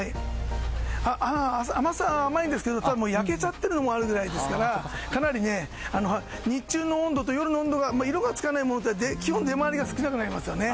甘さは甘いんですが焼けちゃってるのもあるぐらいですからかなり日中の温度と夜の温度が色がつかないものって基本出回りが少なくなりますよね。